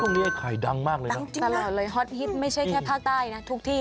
ไอ้ไข่ดังมากเลยนะตลอดเลยฮอตฮิตไม่ใช่แค่ภาคใต้นะทุกที่